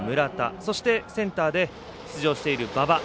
そして、センターで出場している馬場。